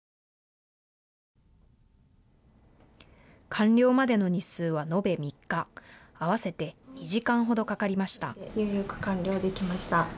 完了までの日数は延べ３日、合わせて２時間ほどかかりました。